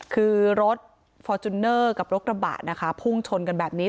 คือรถฟอร์จูเนอร์กับรถกระบะนะคะพุ่งชนกันแบบนี้